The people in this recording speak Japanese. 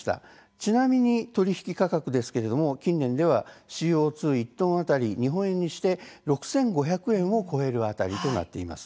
ちなみに取引価格ですが近年ではＣＯ２、１トン当たり日本円にして６５００円を超える辺りとなっています。